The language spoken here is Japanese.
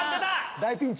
大ピンチ！